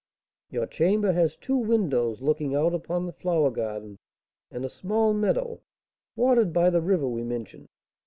"Your chamber has two windows looking out upon the flower garden, and a small meadow, watered by the river we mentioned.